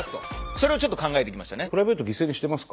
それをちょっと考えてきましたね。